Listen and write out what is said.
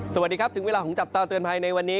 สวัสดีครับถึงเวลาของจับตาเตือนภัยในวันนี้